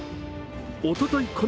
おととい